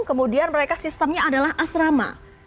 kemudian mereka sistemnya adalah asrama